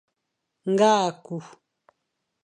Ngal e ku.